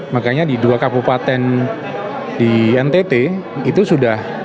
makanya di dua kabupaten di ntt itu sudah